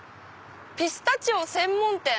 「ピスタチオ専門店」！